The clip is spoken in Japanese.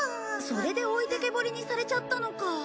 それで置いてけぼりにされちゃったのか。